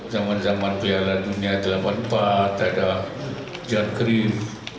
zaman zaman piala dunia seribu sembilan ratus delapan puluh empat ada john krim